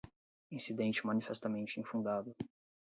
incidente manifestamente infundado